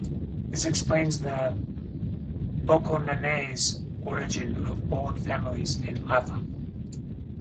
This explains the bocognanaise origin of old families in Afa.